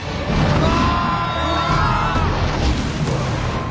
うわ！